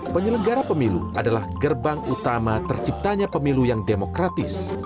penyelenggara pemilu adalah gerbang utama terciptanya pemilu yang demokratis